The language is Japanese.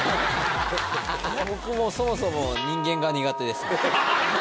僕もそもそも人間が苦手です。